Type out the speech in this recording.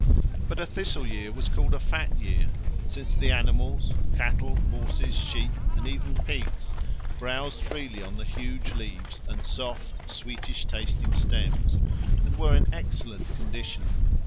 But a thistle year was called a fat year, since the animals cattle, horses, sheep, and even pigs browsed freely on the huge leaves and soft sweetish tasting stems, and were in excellent condition.